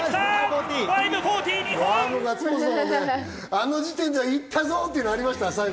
あの時点で行ったぞってのありましたか？